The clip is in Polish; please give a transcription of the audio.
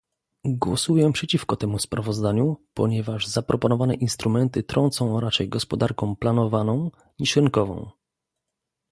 Głosuję przeciwko temu sprawozdaniu, ponieważ zaproponowane instrumenty trącą raczej gospodarką planowaną niż rynkową